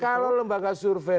kalau lembaga survei